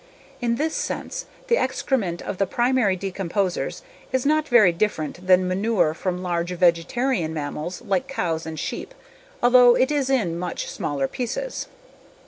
In this sense, the excrement of the primary decomposers is not very different than manure from large vegetarian mammals like cows and sheep although it is in much smaller pieces.